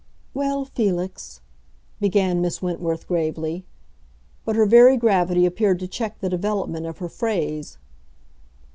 "Well, Felix," began Miss Wentworth, gravely. But her very gravity appeared to check the development of her phrase.